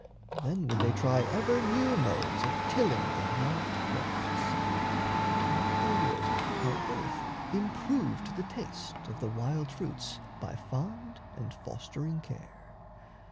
Then would they try Ever new modes of tilling their loved crofts, And mark they would how earth improved the taste Of the wild fruits by fond and fostering care.